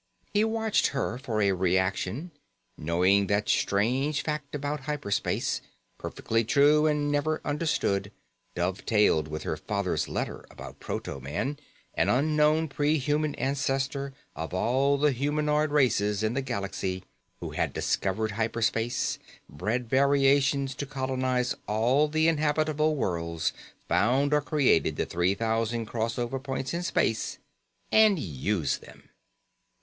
He watched her for a reaction, knowing that strange fact about hyper space perfectly true and never understood dovetailed with her father's letter about proto man, an unknown pre human ancestor of all the humanoid races in the galaxy, who had discovered hyper space, bred variations to colonize all the inhabitable worlds, found or created the three thousand crossover points in space, and used them.